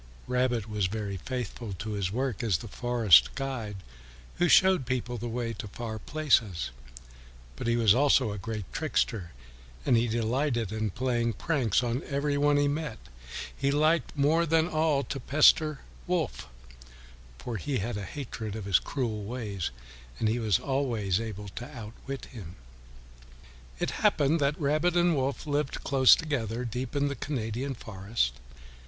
Rabbit was very faithful to his work as the forest guide who showed people the way to far places. But he was also a great trickster, and he delighted to play pranks on every one he met. He liked more than all to pester Wolf, for he had a hatred for his cruel ways, and he was always able to outwit him. It happened that Rabbit and Wolf lived close together, deep in the Canadian forest.